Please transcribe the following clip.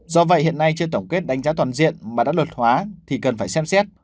do vậy hiện nay trên tổng kết đánh giá toàn diện mà đã luật hóa thì cần phải xem xét